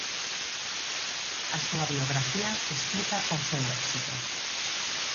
A súa biografía explica o seu éxito.